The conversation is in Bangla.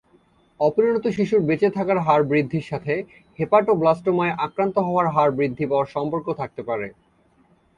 অপরিণত শিশুর বেঁচে থাকার হার বৃদ্ধির সাথে হেপাটোব্লাস্টোমায় আক্রান্ত হওয়ার হার বৃদ্ধি পাওয়ার সম্পর্ক থাকতে পারে।